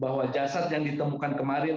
bahwa jasad yang ditemukan kemarin